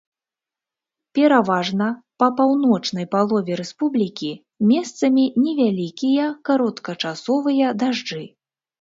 Пераважна па паўночнай палове рэспублікі месцамі невялікія кароткачасовыя дажджы.